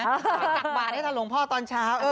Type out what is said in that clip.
ตักบาทให้กับหลวงพ่อตอนเช้า